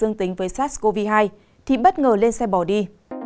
dương tính với sars cov hai thì bất ngờ lên xe bỏ đi